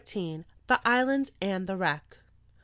THE ISLAND AND THE WRECK.